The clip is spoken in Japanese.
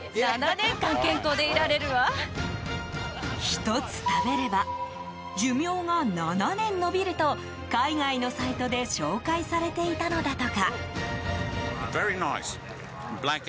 １つ食べれば寿命が７年延びると海外のサイトで紹介されていたのだとか。